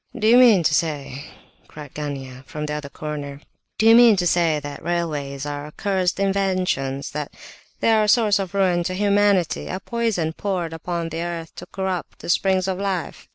"Do you mean to say," cried Gania, from the other corner, "do you mean to say that railways are accursed inventions, that they are a source of ruin to humanity, a poison poured upon the earth to corrupt the springs of life?"